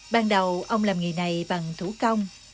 ban đầu ông làm nghề này bằng thủ công